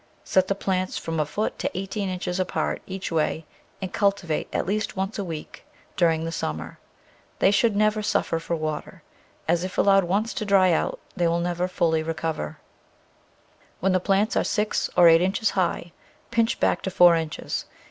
Set the plants from a foot to eighteen inches apart each way and cultivate at least once a week during the summer. They should never suffer for water, as if once allowed to dry out they never fully recover. When the plants are six or eight inches high pinch back to four inches.